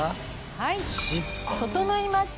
はい整いました。